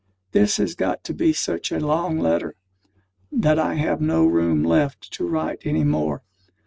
This has got to be such a long letter, that I have no room left to write any more.